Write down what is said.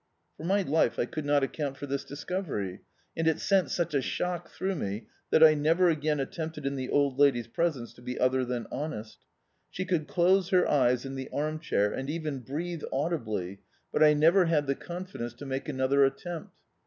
For my life I could not account for this discovery, and it sent sudi a shock throu^ me that I never again attempted in the old lady's presence to be other than honest She could close her eyes in the arm chair and even breadie audibly, but I never had the con D,i.,.db, Google Childhood fidence tx} make another attempt.